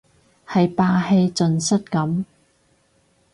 係霸氣盡失咁